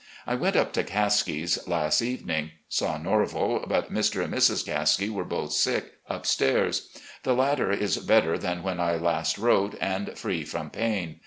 I went up to Caskie's last evening. Saw Norvell, but Mr. and Mrs. Caskie were both sick upstairs. The latter is better than when I last wrote, and free from pain.